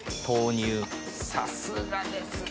さすがですね。